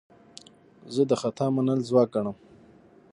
زه د خطا منل ځواک ګڼم.